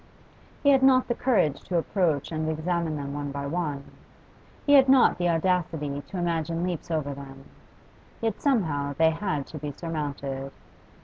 He had not the courage to approach and examine them one by one; he had not the audacity to imagine leaps over them; yet somehow they had to be surmounted.